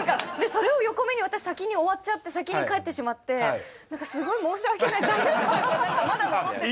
それを横目に私先に終わっちゃって先に帰ってしまって何かすごい申し訳ない罪悪感が何かまだ残ってて。